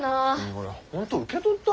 俺本当受け取った？